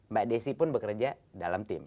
mbak desi pun bekerja dalam tim